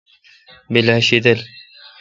بیل اؘ شیدل۔